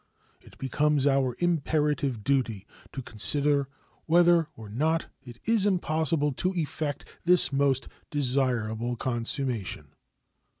It becomes our imperative duty to consider whether or not it is impossible to effect this most desirable consummation.